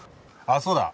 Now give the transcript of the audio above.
あっそうだ。